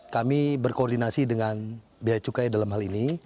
kami berkoordinasi dengan biaya cukai dalam hal ini